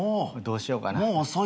どうしようかな。